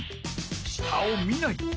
下を見ない。